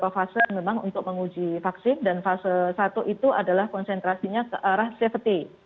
fase memang untuk menguji vaksin dan fase satu itu adalah konsentrasinya ke arah safety